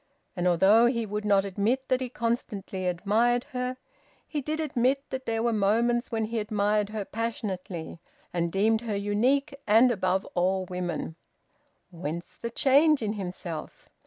And although he would not admit that he constantly admired her, he did admit that there were moments when he admired her passionately and deemed her unique and above all women. Whence the change in himself?